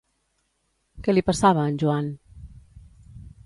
Què li passava a en Joan?